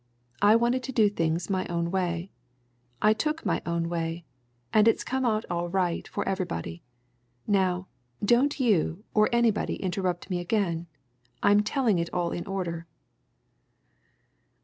I wanted to do things my own way. I took my own way and it's come out all right, for everybody. Now, don't you or anybody interrupt again I'm telling it all in order."